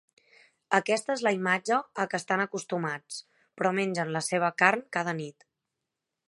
Aquesta és la imatge a què estan acostumats, però mengen la seva carn cada nit.